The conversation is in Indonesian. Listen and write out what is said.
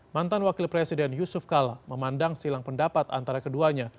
mantan wakil presiden yusuf kala memandang silang pendapat antara keduanya